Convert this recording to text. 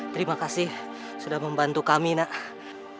terima kasih sudah membantu kami nak